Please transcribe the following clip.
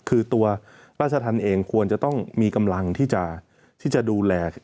คือตัวราชธรรมเองควรจะต้องมีกำลังที่จะดูแล